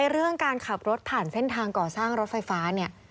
เรื่องการขับรถผ่านเส้นทางก่อสร้างรถไฟฟ้าเนี่ย